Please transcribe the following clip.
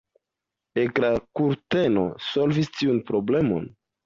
Ekrankurteno solvis tiun problemon.